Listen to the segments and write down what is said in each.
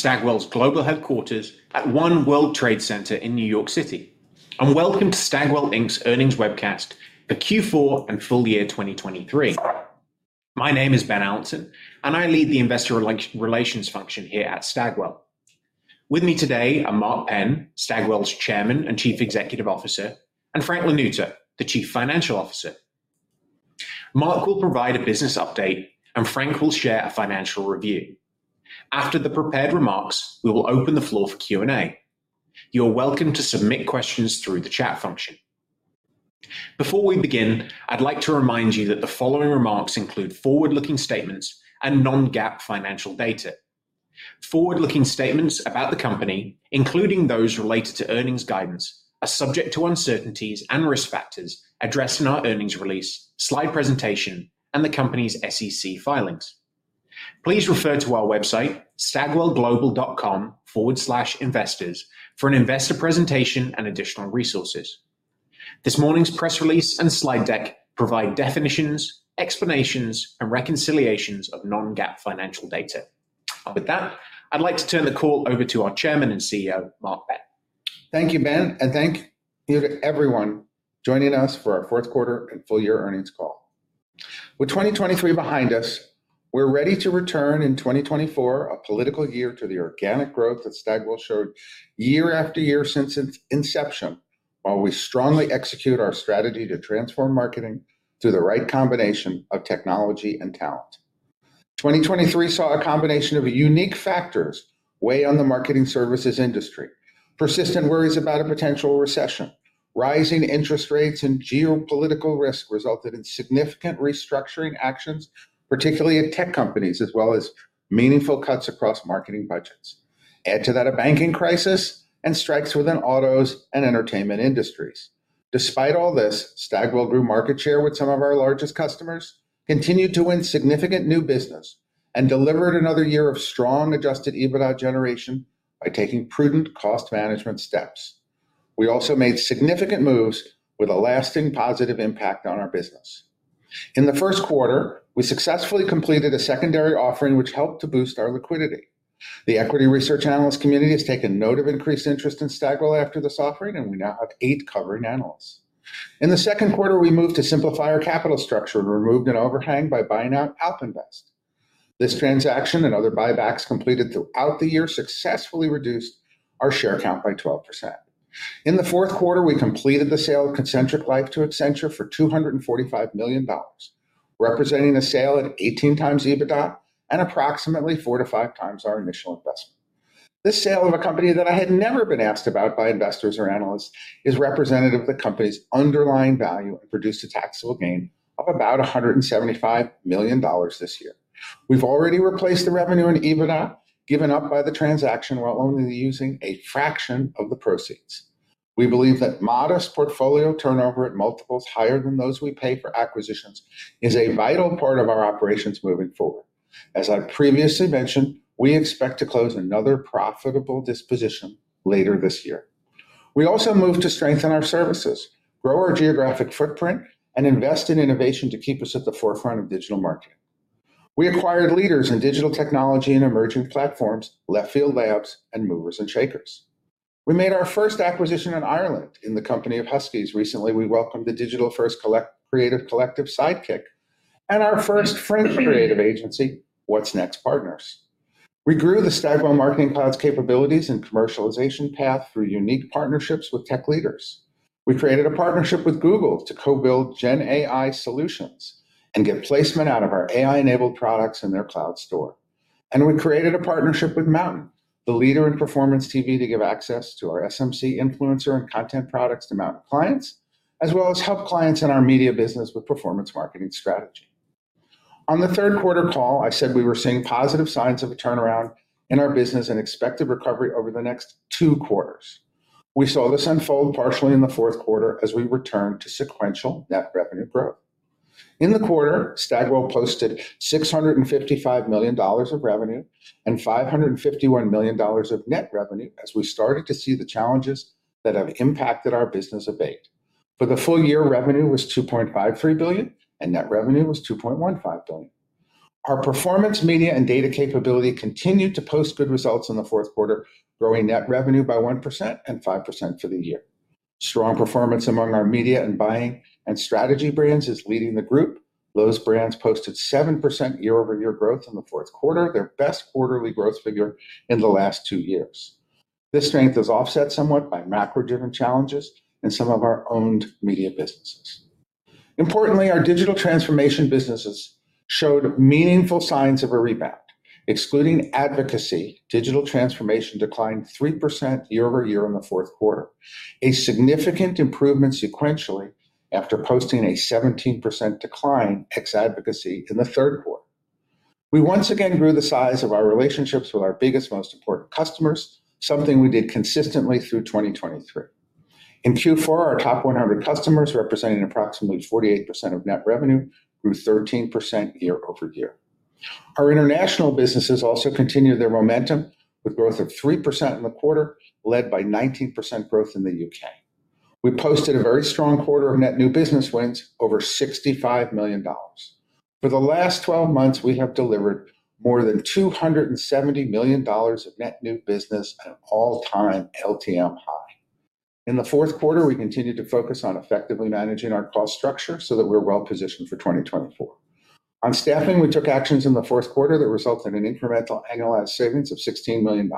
Stagwell's global headquarters at One World Trade Center in New York City. Welcome to Stagwell Inc.'s earnings webcast for Q4 and full year 2023. My name is Ben Allanson, and I lead the investor relations function here at Stagwell. With me today are Mark Penn, Stagwell's Chairman and Chief Executive Officer, and Frank Lanuto, the Chief Financial Officer. Mark will provide a business update, and Frank will share a financial review. After the prepared remarks, we will open the floor for Q&A. You're welcome to submit questions through the chat function. Before we begin, I'd like to remind you that the following remarks include forward-looking statements and non-GAAP financial data. Forward-looking statements about the company, including those related to earnings guidance, are subject to uncertainties and risk factors addressed in our earnings release, slide presentation, and the company's SEC filings. Please refer to our website, stagwellglobal.com/investors, for an investor presentation and additional resources. This morning's press release and slide deck provide definitions, explanations, and reconciliations of non-GAAP financial data. With that, I'd like to turn the call over to our chairman and CEO, Mark Penn. Thank you, Ben. Thank you to everyone joining us for our fourth quarter and full year earnings call. With 2023 behind us, we're ready to return in 2024, a political year to the organic growth that Stagwell showed year after year since its inception, while we strongly execute our strategy to transform marketing through the right combination of technology and talent. 2023 saw a combination of unique factors weigh on the marketing services industry: persistent worries about a potential recession, rising interest rates, and geopolitical risk resulted in significant restructuring actions, particularly at tech companies, as well as meaningful cuts across marketing budgets. Add to that a banking crisis and strikes within autos and entertainment industries. Despite all this, Stagwell grew market share with some of our largest customers, continued to win significant new business, and delivered another year of strong adjusted EBITDA generation by taking prudent cost management steps. We also made significant moves with a lasting positive impact on our business. In the first quarter, we successfully completed a secondary offering, which helped to boost our liquidity. The equity research analyst community has taken note of increased interest in Stagwell after this offering, and we now have 8 covering analysts. In the second quarter, we moved to simplify our capital structure and removed an overhang by buying out AlpInvest. This transaction and other buybacks completed throughout the year successfully reduced our share count by 12%. In the fourth quarter, we completed the sale of Concentric Life to Accenture for $245 million, representing a sale at 18x EBITDA and approximately 4-5 times our initial investment. This sale of a company that I had never been asked about by investors or analysts is representative of the company's underlying value and produced a taxable gain of about $175 million this year. We've already replaced the revenue in EBITDA, given up by the transaction, while only using a fraction of the proceeds. We believe that modest portfolio turnover at multiples higher than those we pay for acquisitions is a vital part of our operations moving forward. As I previously mentioned, we expect to close another profitable disposition later this year. We also moved to strengthen our services, grow our geographic footprint, and invest in innovation to keep us at the forefront of digital marketing. We acquired leaders in digital technology and emerging platforms, Left Field Labs, and Movers+Shakers. We made our first acquisition in Ireland. In the Company of Huskies recently, we welcomed the digital-first creative collective, Sidekick, and our first French creative agency, What's Next Partners. We grew the Stagwell Marketing Cloud's capabilities and commercialization path through unique partnerships with tech leaders. We created a partnership with Google to co-build Gen AI solutions and get placement out of our AI-enabled products in their cloud store. We created a partnership with MNTN, the leader in performance TV, to give access to our SMC influencer and content products to MNTN clients, as well as help clients in our media business with performance marketing strategy. On the third quarter call, I said we were seeing positive signs of a turnaround in our business and expected recovery over the next two quarters. We saw this unfold partially in the fourth quarter as we returned to sequential net revenue growth. In the quarter, Stagwell posted $655 million of revenue and $551 million of net revenue as we started to see the challenges that have impacted our business abate. For the full year, revenue was $2.53 billion, and net revenue was $2.15 billion. Our performance media and data capability continued to post good results in the fourth quarter, growing net revenue by 1% and 5% for the year. Strong performance among our media and buying and strategy brands is leading the group. Those brands posted 7% year-over-year growth in the fourth quarter, their best quarterly growth figure in the last two years. This strength is offset somewhat by macro-driven challenges in some of our owned media businesses. Importantly, our digital transformation businesses showed meaningful signs of a rebound. Excluding advocacy, digital transformation declined 3% year-over-year in the fourth quarter, a significant improvement sequentially after posting a 17% decline ex-advocacy in the third quarter. We once again grew the size of our relationships with our biggest, most important customers, something we did consistently through 2023. In Q4, our top 100 customers, representing approximately 48% of net revenue, grew 13% year-over-year. Our international businesses also continued their momentum with growth of 3% in the quarter, led by 19% growth in the UK. We posted a very strong quarter of net new business wins, over $65 million. For the last 12 months, we have delivered more than $270 million of net new business, an all-time LTM high. In the fourth quarter, we continued to focus on effectively managing our cost structure so that we're well positioned for 2024. On staffing, we took actions in the fourth quarter that resulted in an incremental annualized savings of $16 million.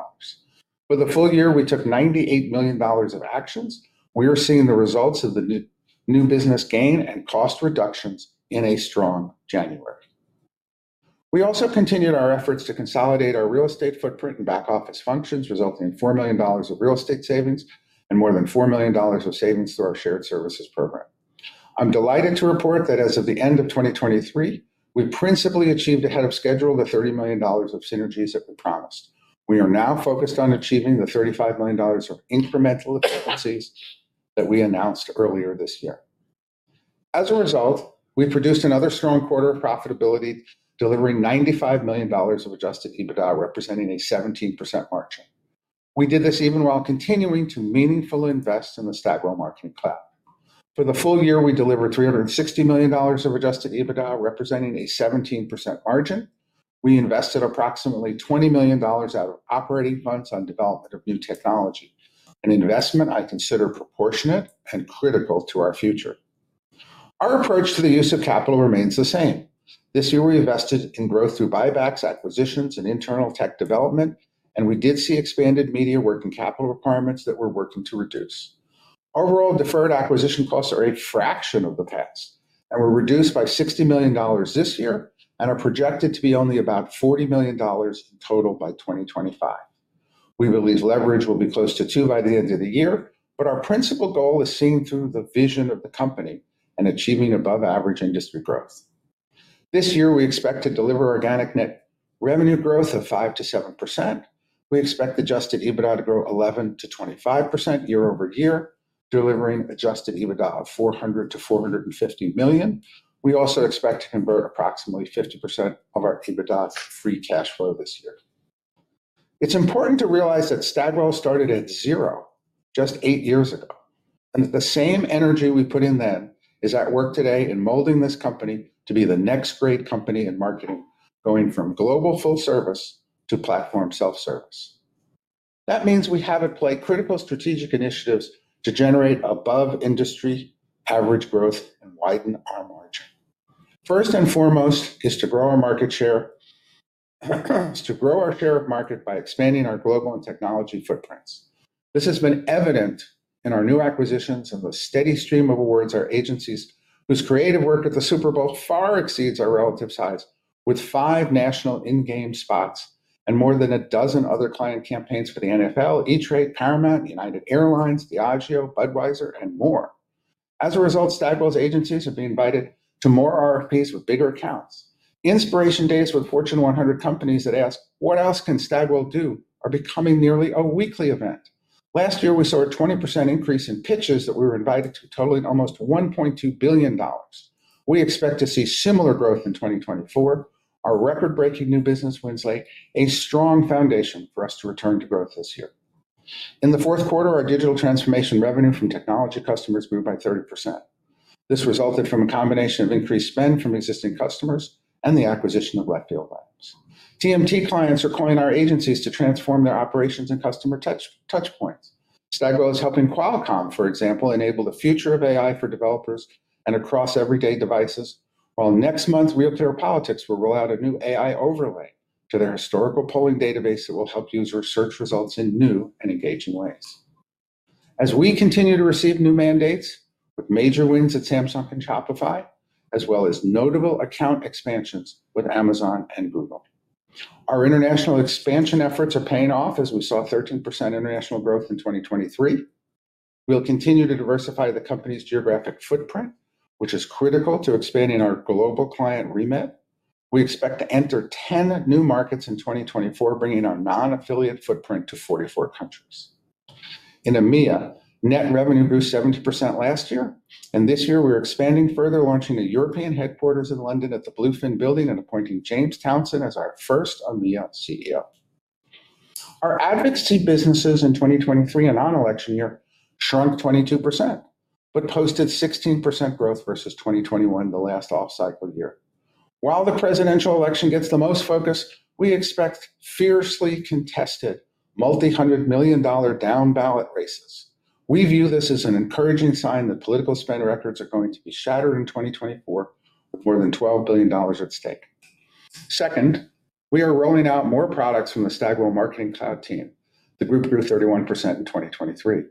For the full year, we took $98 million of actions. We are seeing the results of the new business gain and cost reductions in a strong January. We also continued our efforts to consolidate our real estate footprint and back office functions, resulting in $4 million of real estate savings and more than $4 million of savings through our shared services program. I'm delighted to report that as of the end of 2023, we principally achieved ahead of schedule the $30 million of synergies that we promised. We are now focused on achieving the $35 million of incremental efficiencies that we announced earlier this year. As a result, we produced another strong quarter of profitability, delivering $95 million of adjusted EBITDA, representing a 17% margin. We did this even while continuing to meaningfully invest in the Stagwell Marketing Cloud. For the full year, we delivered $360 million of Adjusted EBITDA, representing a 17% margin. We invested approximately $20 million out of operating funds on development of new technology, an investment I consider proportionate and critical to our future. Our approach to the use of capital remains the same. This year, we invested in growth through buybacks, acquisitions, and internal tech development. And we did see expanded media working capital requirements that we're working to reduce. Overall, deferred acquisition costs are a fraction of the past and were reduced by $60 million this year and are projected to be only about $40 million in total by 2025. We believe leverage will be close to two by the end of the year. Our principal goal is seen through the vision of the company and achieving above-average industry growth. This year, we expect to deliver organic net revenue growth of 5%-7%. We expect Adjusted EBITDA to grow 11%-25% year-over-year, delivering Adjusted EBITDA of $400 million-$450 million. We also expect to convert approximately 50% of our EBITDA free cash flow this year. It's important to realize that Stagwell started at zero just 8 years ago. The same energy we put in then is at work today in molding this company to be the next great company in marketing, going from global full service to platform self-service. That means we have at play critical strategic initiatives to generate above-industry-average growth and widen our margin. First and foremost is to grow our market share, is to grow our share of market by expanding our global and technology footprints. This has been evident in our new acquisitions and the steady stream of awards our agencies whose creative work at the Super Bowl far exceeds our relative size, with 5 national in-game spots and more than 12 other client campaigns for the NFL, E-Trade, Paramount, United Airlines, Diageo, Budweiser, and more. As a result, Stagwell's agencies have been invited to more RFPs with bigger accounts. Inspiration days with Fortune 100 companies that ask, "What else can Stagwell do?" are becoming nearly a weekly event. Last year, we saw a 20% increase in pitches that we were invited to, totaling almost $1.2 billion. We expect to see similar growth in 2024. Our record-breaking new business wins lay a strong foundation for us to return to growth this year. In the fourth quarter, our digital transformation revenue from technology customers grew by 30%. This resulted from a combination of increased spend from existing customers and the acquisition of Left Field Labs. TMT clients are calling our agencies to transform their operations and customer touchpoints. Stagwell is helping Qualcomm, for example, enable the future of AI for developers and across everyday devices, while next month, RealClearPolitics will roll out a new AI overlay to their historical polling database that will help users search results in new and engaging ways. As we continue to receive new mandates with major wins at Samsung and Shopify, as well as notable account expansions with Amazon and Google, our international expansion efforts are paying off, as we saw 13% international growth in 2023. We'll continue to diversify the company's geographic footprint, which is critical to expanding our global client remit. We expect to enter 10 new markets in 2024, bringing our non-affiliate footprint to 44 countries. In EMEA, net revenue grew 70% last year. And this year, we're expanding further, launching a European headquarters in London at the Bluefin Building and appointing James Townsend as our first EMEA CEO. Our advocacy businesses in 2023, a non-election year, shrunk 22% but posted 16% growth versus 2021, the last off-cycle year. While the presidential election gets the most focus, we expect fiercely contested multi-hundred million dollar down ballot races. We view this as an encouraging sign that political spend records are going to be shattered in 2024 with more than $12 billion at stake. Second, we are rolling out more products from the Stagwell Marketing Cloud team. The group grew 31% in 2023.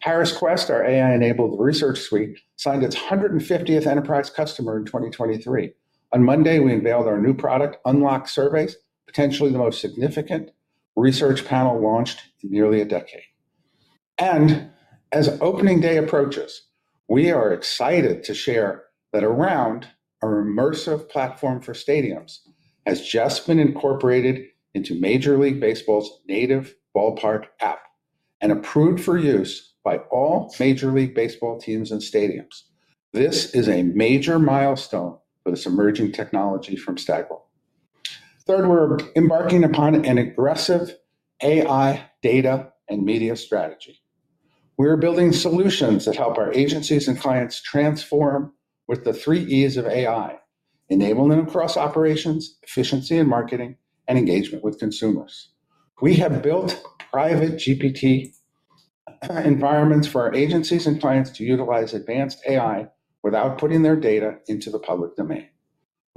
Harris Quest, our AI-enabled research suite, signed its 150th enterprise customer in 2023. On Monday, we unveiled our new product, Unlock Surveys, potentially the most significant research panel launched in nearly a decade. As opening day approaches, we are excited to share that ARound our immersive platform for stadiums has just been incorporated into Major League Baseball's native Ballpark app and approved for use by all Major League Baseball teams and stadiums. This is a major milestone for this emerging technology from Stagwell. Third, we're embarking upon an aggressive AI data and media strategy. We are building solutions that help our agencies and clients transform with the three E's of AI, enabling them across operations, efficiency in marketing, and engagement with consumers. We have built private GPT environments for our agencies and clients to utilize advanced AI without putting their data into the public domain.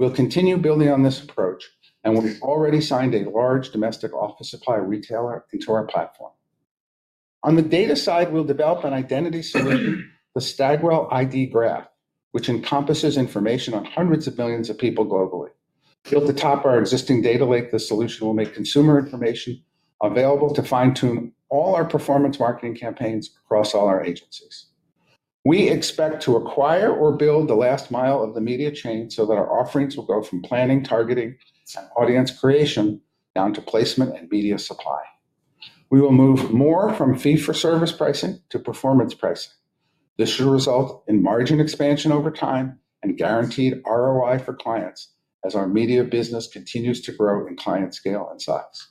We'll continue building on this approach, and we've already signed a large domestic office supply retailer into our platform. On the data side, we'll develop an identity solution, the Stagwell ID Graph, which encompasses information on hundreds of millions of people globally. Built atop our existing data lake, the solution will make consumer information available to fine-tune all our performance marketing campaigns across all our agencies. We expect to acquire or build the last mile of the media chain so that our offerings will go from planning, targeting, and audience creation down to placement and media supply. We will move more from fee-for-service pricing to performance pricing. This should result in margin expansion over time and guaranteed ROI for clients as our media business continues to grow in client scale and size.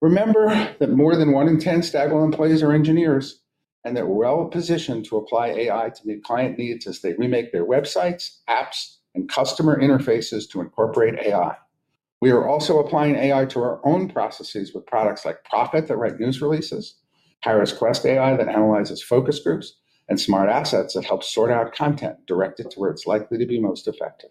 Remember that more than 1 in 10 Stagwell employees are engineers and that we're well positioned to apply AI to meet client needs as they remake their websites, apps, and customer interfaces to incorporate AI. We are also applying AI to our own processes with products like PRophet that write news releases, Harris Quest AI that analyzes focus groups, and SmartAssets that helps sort out content directed to where it's likely to be most effective.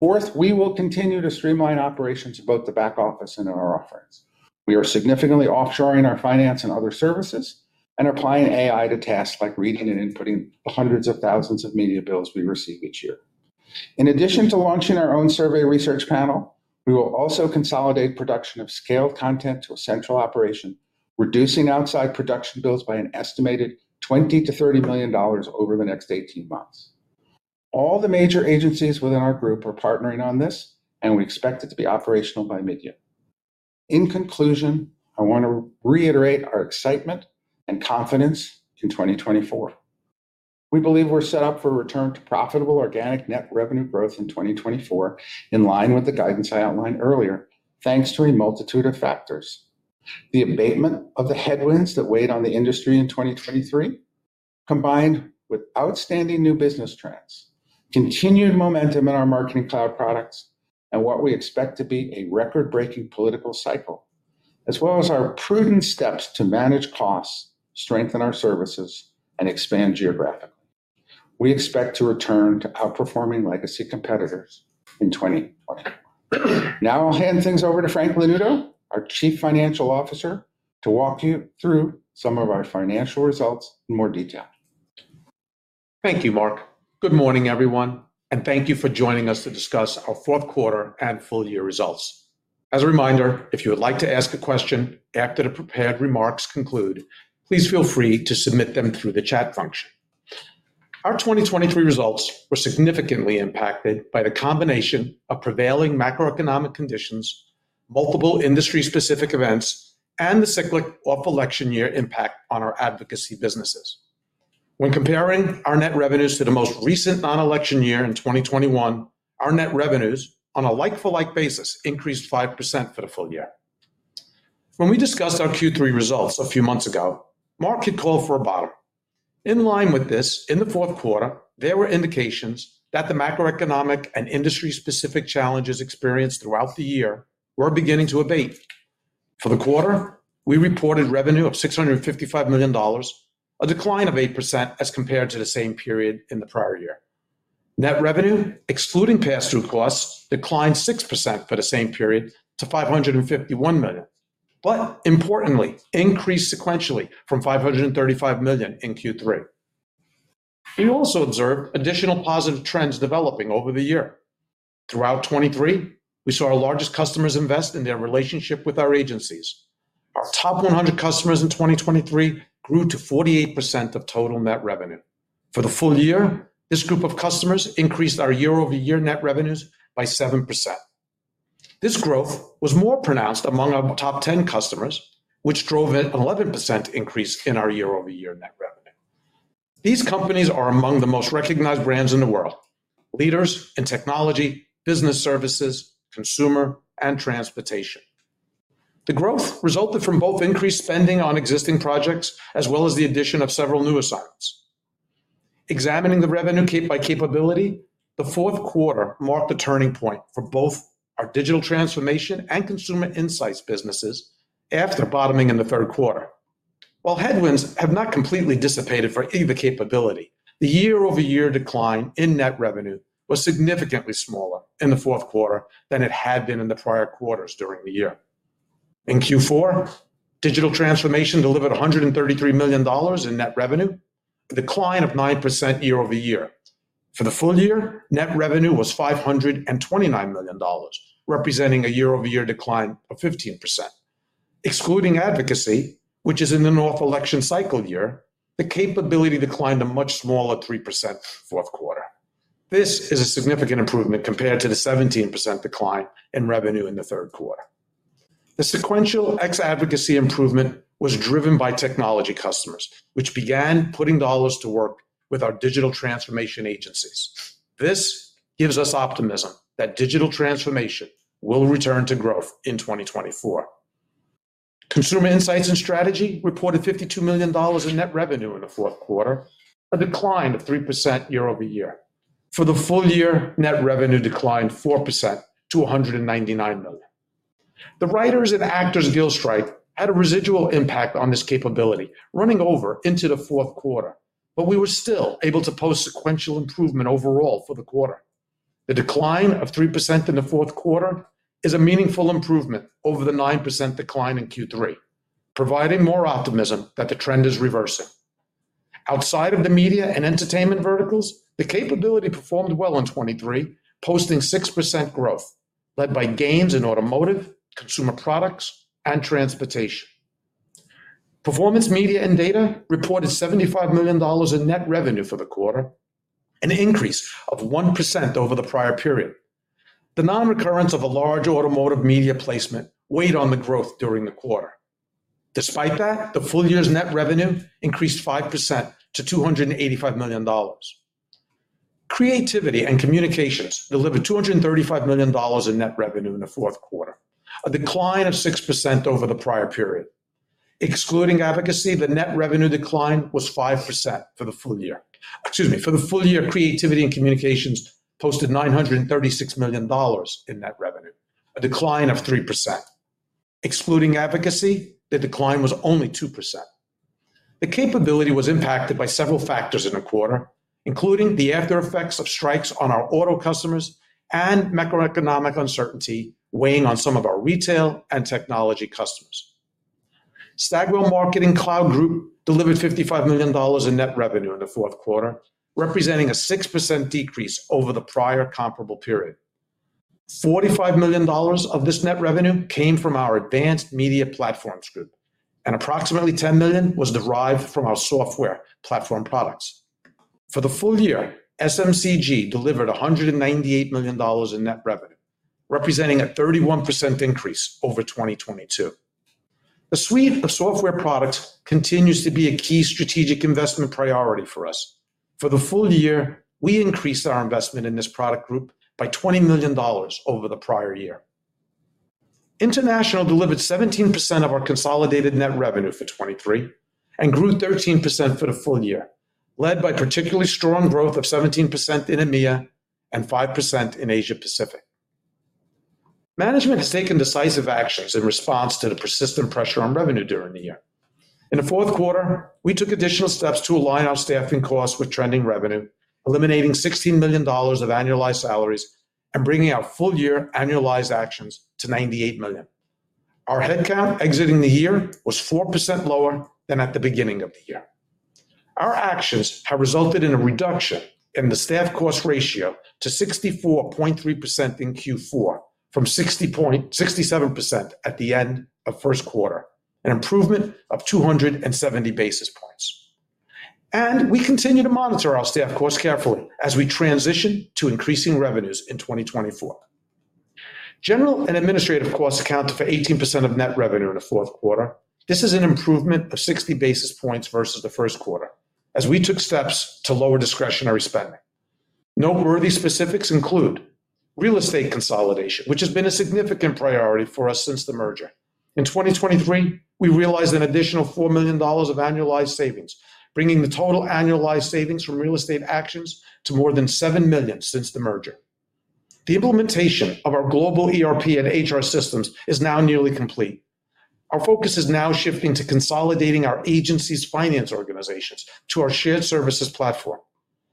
Fourth, we will continue to streamline operations of both the back office and in our offerings. We are significantly offshoring our finance and other services and applying AI to tasks like reading and inputting the hundreds of thousands of media bills we receive each year. In addition to launching our own survey research panel, we will also consolidate production of scaled content to a central operation, reducing outside production bills by an estimated $20 million-$30 million over the next 18 months. All the major agencies within our group are partnering on this, and we expect it to be operational by mid-year. In conclusion, I want to reiterate our excitement and confidence in 2024. We believe we're set up for a return to profitable organic net revenue growth in 2024 in line with the guidance I outlined earlier, thanks to a multitude of factors. The abatement of the headwinds that weighed on the industry in 2023, combined with outstanding new business trends, continued momentum in our marketing cloud products, and what we expect to be a record-breaking political cycle, as well as our prudent steps to manage costs, strengthen our services, and expand geographically, we expect to return to outperforming legacy competitors in 2024. Now I'll hand things over to Frank Lanuto, our Chief Financial Officer, to walk you through some of our financial results in more detail. Thank you, Mark. Good morning, everyone. And thank you for joining us to discuss our fourth quarter and full-year results. As a reminder, if you would like to ask a question after the prepared remarks conclude, please feel free to submit them through the chat function. Our 2023 results were significantly impacted by the combination of prevailing macroeconomic conditions, multiple industry-specific events, and the cyclic off-election year impact on our advocacy businesses. When comparing our net revenues to the most recent non-election year in 2021, our net revenues on a like-for-like basis increased 5% for the full year. When we discussed our Q3 results a few months ago, Mark had called for a bottom. In line with this, in the fourth quarter, there were indications that the macroeconomic and industry-specific challenges experienced throughout the year were beginning to abate. For the quarter, we reported revenue of $655 million, a decline of 8% as compared to the same period in the prior year. Net revenue, excluding pass-through costs, declined 6% for the same period to $551 million, but importantly, increased sequentially from $535 million in Q3. We also observed additional positive trends developing over the year. Throughout 2023, we saw our largest customers invest in their relationship with our agencies. Our top 100 customers in 2023 grew to 48% of total net revenue. For the full year, this group of customers increased our year-over-year net revenues by 7%. This growth was more pronounced among our top 10 customers, which drove an 11% increase in our year-over-year net revenue. These companies are among the most recognized brands in the world, leaders in technology, business services, consumer, and transportation. The growth resulted from both increased spending on existing projects as well as the addition of several new assignments. Examining the revenue by capability, the fourth quarter marked a turning point for both our digital transformation and consumer insights businesses after bottoming in the third quarter. While headwinds have not completely dissipated for either capability, the year-over-year decline in net revenue was significantly smaller in the fourth quarter than it had been in the prior quarters during the year. In Q4, digital transformation delivered $133 million in net revenue, a decline of 9% year-over-year. For the full year, net revenue was $529 million, representing a year-over-year decline of 15%. Excluding advocacy, which is in an off-election cycle year, the capability declined a much smaller 3% fourth quarter. This is a significant improvement compared to the 17% decline in revenue in the third quarter. The sequential ex-advocacy improvement was driven by technology customers, which began putting dollars to work with our digital transformation agencies. This gives us optimism that digital transformation will return to growth in 2024. Consumer insights and strategy reported $52 million in net revenue in the fourth quarter, a decline of 3% year-over-year. For the full year, net revenue declined 4% to $199 million. The writers and actors' deal strike had a residual impact on this capability, running over into the fourth quarter. But we were still able to post sequential improvement overall for the quarter. The decline of 3% in the fourth quarter is a meaningful improvement over the 9% decline in Q3, providing more optimism that the trend is reversing. Outside of the media and entertainment verticals, the capability performed well in 2023, posting 6% growth, led by gains in automotive, consumer products, and transportation. Performance media and data reported $75 million in net revenue for the quarter, an increase of 1% over the prior period. The non-recurrence of a large automotive media placement weighed on the growth during the quarter. Despite that, the full year's net revenue increased 5% to $285 million. Creativity and communications delivered $235 million in net revenue in the fourth quarter, a decline of 6% over the prior period. Excluding advocacy, the net revenue decline was 5% for the full year. Excuse me. For the full year, creativity and communications posted $936 million in net revenue, a decline of 3%. Excluding advocacy, the decline was only 2%. The capability was impacted by several factors in the quarter, including the aftereffects of strikes on our auto customers and macroeconomic uncertainty weighing on some of our retail and technology customers. Stagwell Marketing Cloud Group delivered $55 million in net revenue in the fourth quarter, representing a 6% decrease over the prior comparable period. $45 million of this net revenue came from our advanced media platforms group, and approximately $10 million was derived from our software platform products. For the full year, SMCG delivered $198 million in net revenue, representing a 31% increase over 2022. The suite of software products continues to be a key strategic investment priority for us. For the full year, we increased our investment in this product group by $20 million over the prior year. International delivered 17% of our consolidated net revenue for 2023 and grew 13% for the full year, led by particularly strong growth of 17% in EMEA and 5% in Asia Pacific. Management has taken decisive actions in response to the persistent pressure on revenue during the year. In the fourth quarter, we took additional steps to align our staffing costs with trending revenue, eliminating $16 million of annualized salaries, and bringing our full year annualized actions to $98 million. Our headcount exiting the year was 4% lower than at the beginning of the year. Our actions have resulted in a reduction in the staff cost ratio to 64.3% in Q4, from 67% at the end of first quarter, an improvement of 270 basis points. We continue to monitor our staff costs carefully as we transition to increasing revenues in 2024. General and administrative costs accounted for 18% of net revenue in the fourth quarter. This is an improvement of 60 basis points versus the first quarter as we took steps to lower discretionary spending. Noteworthy specifics include real estate consolidation, which has been a significant priority for us since the merger. In 2023, we realized an additional $4 million of annualized savings, bringing the total annualized savings from real estate actions to more than $7 million since the merger. The implementation of our global ERP and HR systems is now nearly complete. Our focus is now shifting to consolidating our agency's finance organizations to our shared services platform.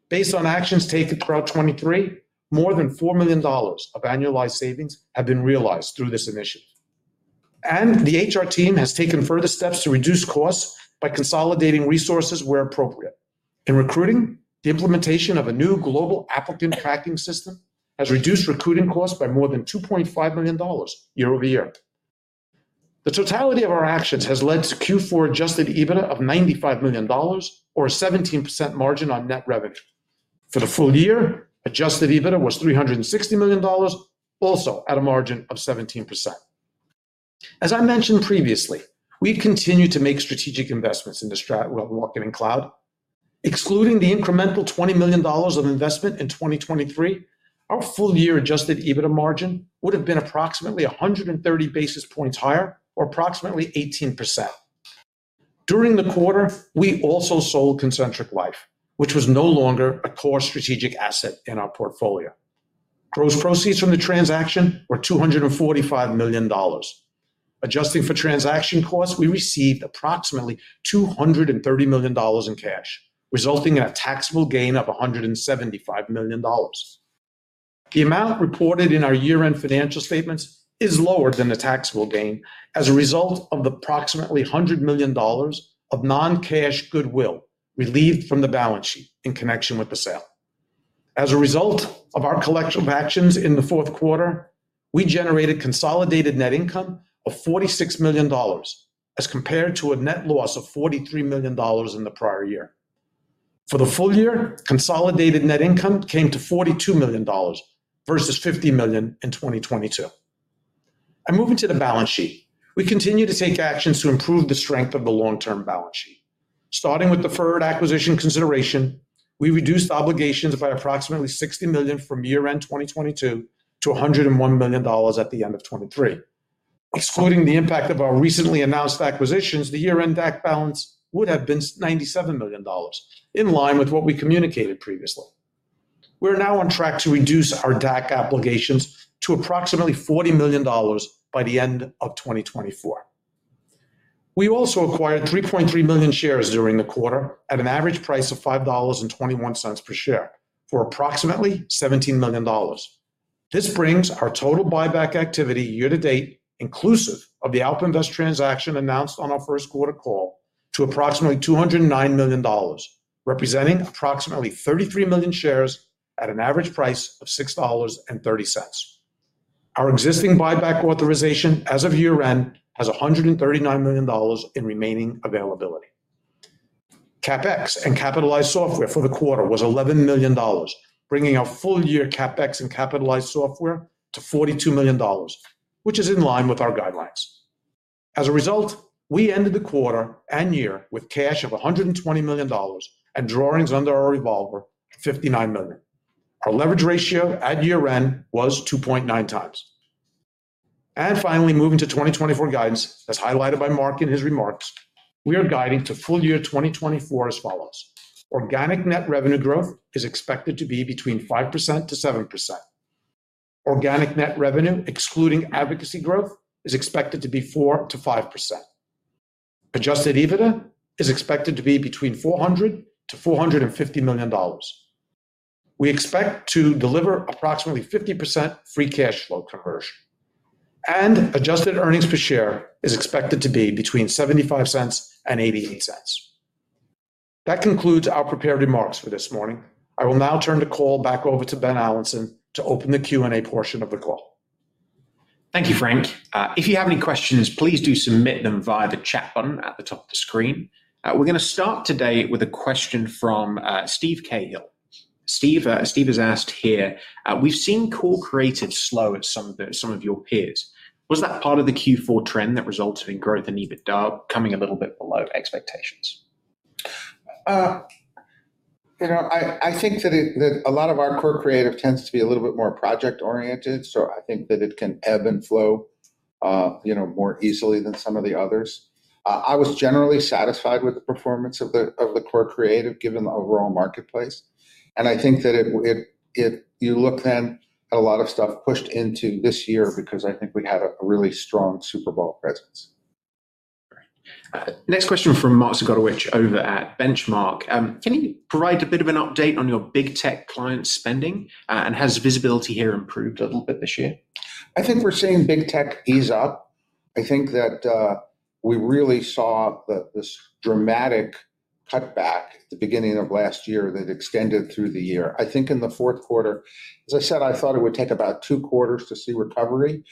Based on actions taken throughout 2023, more than $4 million of annualized savings have been realized through this initiative. The HR team has taken further steps to reduce costs by consolidating resources where appropriate. In recruiting, the implementation of a new global applicant tracking system has reduced recruiting costs by more than $2.5 million year-over-year. The totality of our actions has led to Q4 adjusted EBITDA of $95 million, or a 17% margin on net revenue. For the full year, Adjusted EBITDA was $360 million, also at a margin of 17%. As I mentioned previously, we continue to make strategic investments in the Stagwell Marketing Cloud. Excluding the incremental $20 million of investment in 2023, our full year Adjusted EBITDA margin would have been approximately 130 basis points higher, or approximately 18%. During the quarter, we also sold Concentric Life, which was no longer a core strategic asset in our portfolio. Gross proceeds from the transaction were $245 million. Adjusting for transaction costs, we received approximately $230 million in cash, resulting in a taxable gain of $175 million. The amount reported in our year-end financial statements is lower than the taxable gain as a result of the approximately $100 million of non-cash goodwill relieved from the balance sheet in connection with the sale. As a result of our collective actions in the fourth quarter, we generated consolidated net income of $46 million as compared to a net loss of $43 million in the prior year. For the full year, consolidated net income came to $42 million versus $50 million in 2022. Moving to the balance sheet, we continue to take actions to improve the strength of the long-term balance sheet. Starting with the third acquisition consideration, we reduced obligations by approximately $60 million from year-end 2022 to $101 million at the end of 2023. Excluding the impact of our recently announced acquisitions, the year-end DAC balance would have been $97 million, in line with what we communicated previously. We are now on track to reduce our DAC obligations to approximately $40 million by the end of 2024. We also acquired 3.3 million shares during the quarter at an average price of $5.21 per share, for approximately $17 million. This brings our total buyback activity year to date, inclusive of the AlpInvest transaction announced on our first quarter call, to approximately $209 million, representing approximately 33 million shares at an average price of $6.30. Our existing buyback authorization as of year-end has $139 million in remaining availability. CapEx and capitalized software for the quarter was $11 million, bringing our full year CapEx and capitalized software to $42 million, which is in line with our guidelines. As a result, we ended the quarter and year with cash of $120 million and drawings under our revolver of $59 million. Our leverage ratio at year-end was 2.9 times. And finally, moving to 2024 guidance, as highlighted by Mark in his remarks, we are guiding to full year 2024 as follows. Organic net revenue growth is expected to be between 5%-7%. Organic net revenue, excluding advocacy growth, is expected to be 4%-5%. Adjusted EBITDA is expected to be between $400 million-$450 million. We expect to deliver approximately 50% free cash flow conversion. Adjusted earnings per share is expected to be between $0.75 and $0.88. That concludes our prepared remarks for this morning. I will now turn the call back over to Ben Allanson to open the Q&A portion of the call. Thank you, Frank. If you have any questions, please do submit them via the chat button at the top of the screen. We're going to start today with a question from Steve Cahill. Steve has asked here, "We've seen core creative slow at some of your peers. Was that part of the Q4 trend that resulted in growth in EBITDA coming a little bit below expectations? I think that a lot of our core creative tends to be a little bit more project-oriented. So I think that it can ebb and flow more easily than some of the others. I was generally satisfied with the performance of the core creative, given the overall marketplace. I think that you look then at a lot of stuff pushed into this year because I think we had a really strong Super Bowl presence. Next question from Mark Zgutowicz over at Benchmark. Can you provide a bit of an update on your big tech client spending? And has visibility here improved a little bit this year? I think we're seeing big tech ease up. I think that we really saw this dramatic cutback at the beginning of last year that extended through the year. I think in the fourth quarter, as I said, I thought it would take about two quarters to see recovery.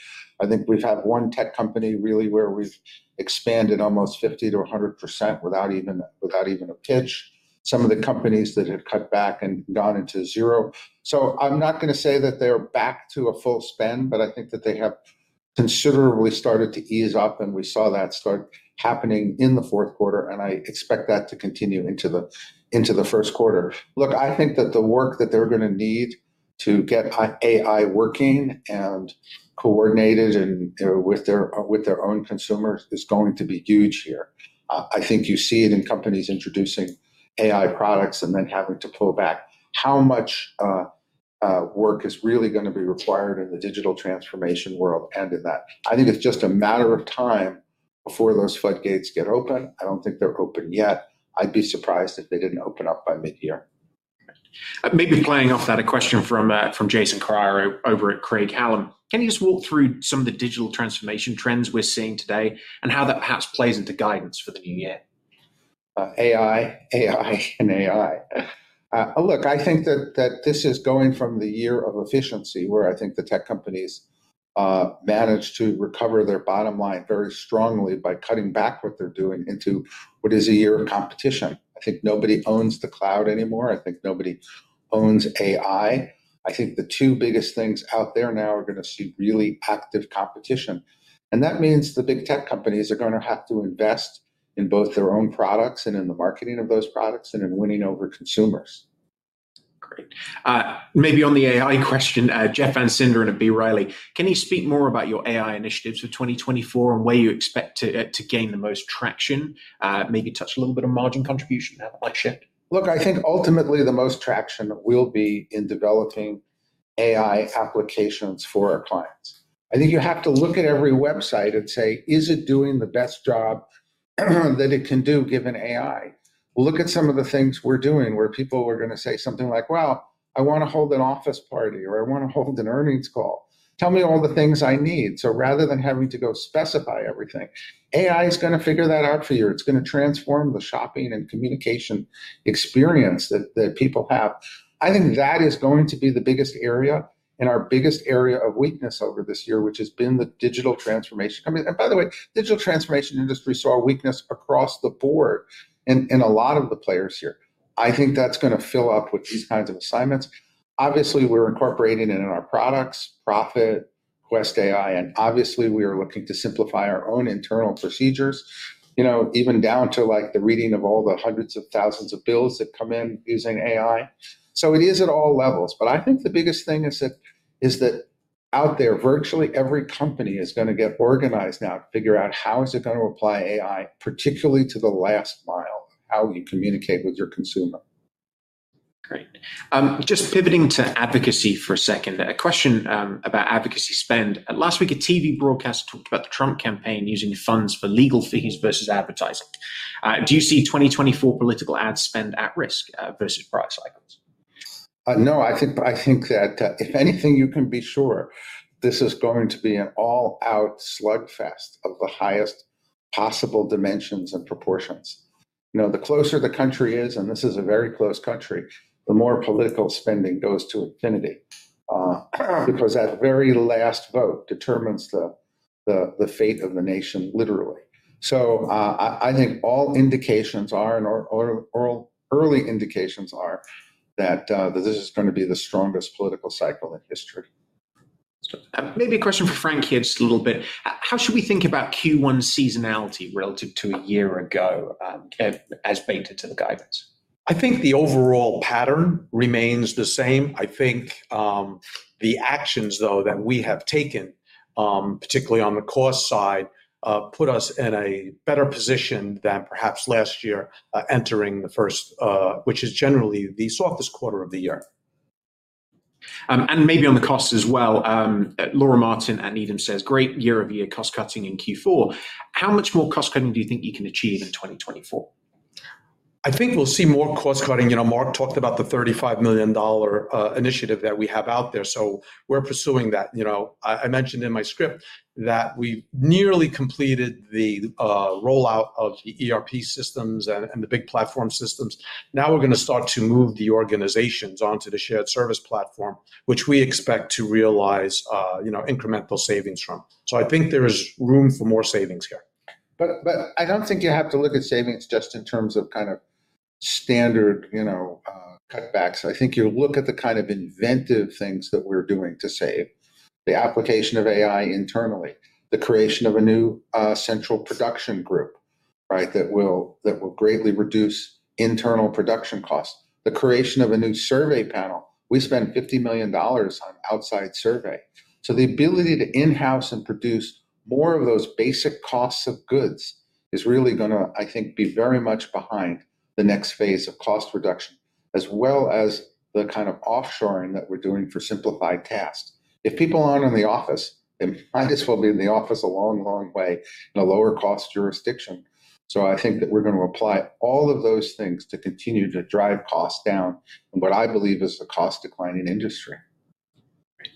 I think we've had one tech company, really, where we've expanded almost 50%-100% without even a pitch. Some of the companies that had cut back and gone into zero. So I'm not going to say that they're back to a full spend. But I think that they have considerably started to ease up. And we saw that start happening in the fourth quarter. And I expect that to continue into the first quarter. Look, I think that the work that they're going to need to get AI working and coordinated with their own consumers is going to be huge here. I think you see it in companies introducing AI products and then having to pull back. How much work is really going to be required in the digital transformation world and in that? I think it's just a matter of time before those floodgates get open. I don't think they're open yet. I'd be surprised if they didn't open up by mid-year. Maybe playing off that, a question from Jason Kreyer over at Craig-Hallum. Can you just walk through some of the digital transformation trends we're seeing today and how that perhaps plays into guidance for the new year? AI, AI, and AI. Look, I think that this is going from the year of efficiency, where I think the tech companies managed to recover their bottom line very strongly by cutting back what they're doing into what is a year of competition. I think nobody owns the cloud anymore. I think nobody owns AI. I think the two biggest things out there now are going to see really active competition. And that means the big tech companies are going to have to invest in both their own products and in the marketing of those products and in winning over consumers. Great. Maybe on the AI question, Jeff Van Sinderen at B. Riley, can you speak more about your AI initiatives for 2024 and where you expect to gain the most traction? Maybe touch a little bit on margin contribution. How that might shift. Look, I think ultimately, the most traction will be in developing AI applications for our clients. I think you have to look at every website and say, is it doing the best job that it can do, given AI? Look at some of the things we're doing where people are going to say something like, well, I want to hold an office party, or I want to hold an earnings call. Tell me all the things I need. So rather than having to go specify everything, AI is going to figure that out for you. It's going to transform the shopping and communication experience that people have. I think that is going to be the biggest area and our biggest area of weakness over this year, which has been the digital transformation company. And by the way, the digital transformation industry saw weakness across the board in a lot of the players here. I think that's going to fill up with these kinds of assignments. Obviously, we're incorporating it in our products, PRophet, Quest AI. And obviously, we are looking to simplify our own internal procedures, even down to the reading of all the hundreds of thousands of bills that come in using AI. So it is at all levels. But I think the biggest thing is that out there, virtually every company is going to get organized now to figure out, how is it going to apply AI, particularly to the last mile, how you communicate with your consumer. Great. Just pivoting to advocacy for a second, a question about advocacy spend. Last week, a TV broadcast talked about the Trump campaign using funds for legal fees versus advertising. Do you see 2024 political ad spend at risk versus product cycles? No, I think that if anything, you can be sure this is going to be an all-out slugfest of the highest possible dimensions and proportions. The closer the country is and this is a very close country, the more political spending goes to infinity because that very last vote determines the fate of the nation, literally. So I think all indications are and early indications are that this is going to be the strongest political cycle in history. Maybe a question for Frank, just a little bit. How should we think about Q1 seasonality relative to a year ago as baked into the guidance? I think the overall pattern remains the same. I think the actions, though, that we have taken, particularly on the cost side, put us in a better position than perhaps last year, entering the first, which is generally the softest quarter of the year. Maybe on the costs as well, Laura Martin at Needham says, great year-over-year cost cutting in Q4. How much more cost cutting do you think you can achieve in 2024? I think we'll see more cost cutting. Mark talked about the $35 million initiative that we have out there. So we're pursuing that. I mentioned in my script that we've nearly completed the rollout of the ERP systems and the big platform systems. Now we're going to start to move the organizations onto the shared service platform, which we expect to realize incremental savings from. So I think there is room for more savings here. But I don't think you have to look at savings just in terms of kind of standard cutbacks. I think you look at the kind of inventive things that we're doing to save, the application of AI internally, the creation of a new central production group that will greatly reduce internal production costs, the creation of a new survey panel. We spend $50 million on outside survey. So the ability to in-house and produce more of those basic costs of goods is really going to, I think, be very much behind the next phase of cost reduction, as well as the kind of offshoring that we're doing for simplified tasks. If people aren't in the office, they might as well be in the office a long, long way in a lower-cost jurisdiction. I think that we're going to apply all of those things to continue to drive costs down in what I believe is a cost-declining industry. Great.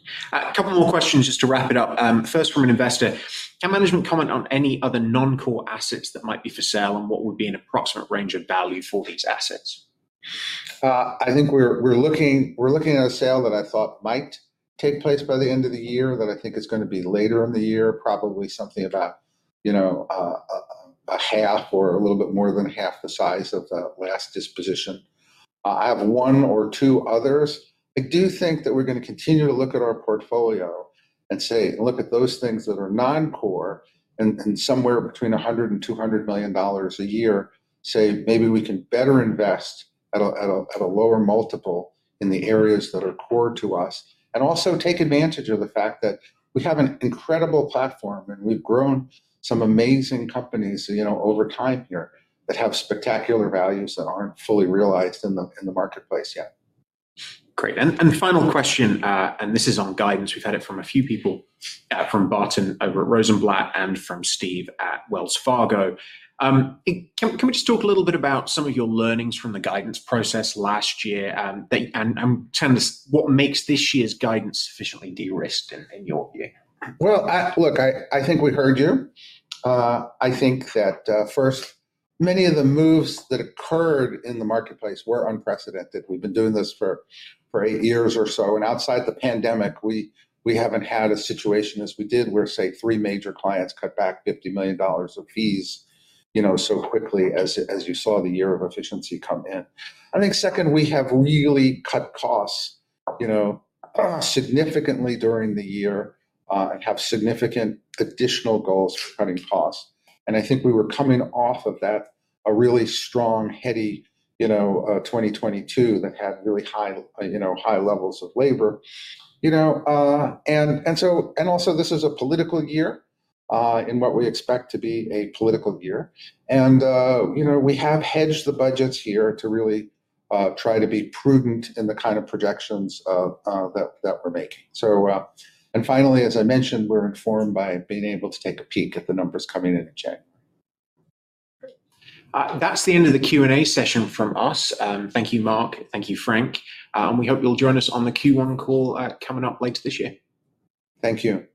A couple more questions just to wrap it up. First, from an investor, can management comment on any other non-core assets that might be for sale and what would be an approximate range of value for these assets? I think we're looking at a sale that I thought might take place by the end of the year, that I think is going to be later in the year, probably something about half or a little bit more than half the size of the last disposition. I have one or two others. I do think that we're going to continue to look at our portfolio and say, look at those things that are non-core and somewhere between $100 million-$200 million a year, say, maybe we can better invest at a lower multiple in the areas that are core to us and also take advantage of the fact that we have an incredible platform. We've grown some amazing companies over time here that have spectacular values that aren't fully realized in the marketplace yet. Great. Final question. This is on guidance. We've had it from a few people, from Barton over at Rosenblatt and from Steve at Wells Fargo. Can we just talk a little bit about some of your learnings from the guidance process last year and what makes this year's guidance sufficiently de-risked, in your view? Well, look, I think we heard you. I think that, first, many of the moves that occurred in the marketplace were unprecedented. We've been doing this for eight years or so. And outside the pandemic, we haven't had a situation as we did where, say, three major clients cut back $50 million of fees so quickly, as you saw the year of efficiency come in. I think, second, we have really cut costs significantly during the year and have significant additional goals for cutting costs. And I think we were coming off of that a really strong, heavy 2022 that had really high levels of labor. And also, this is a political year in what we expect to be a political year. And we have hedged the budgets here to really try to be prudent in the kind of projections that we're making. Finally, as I mentioned, we're informed by being able to take a peek at the numbers coming in in January. Great. That's the end of the Q&A session from us. Thank you, Mark. Thank you, Frank. We hope you'll join us on the Q1 call coming up later this year. Thank you.